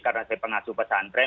karena saya pengacu pesantren